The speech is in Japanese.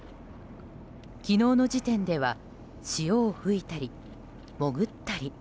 昨日の時点では潮を吹いたり、潜ったり。